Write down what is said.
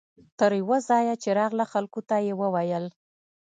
تر یوه ځایه چې راغله خلکو ته یې وویل.